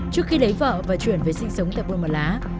trước khi lấy vợ và chuyển về sinh sống tại buôn mà lá